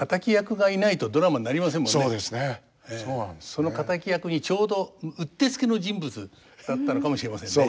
その敵役にちょうどうってつけの人物だったのかもしれませんね。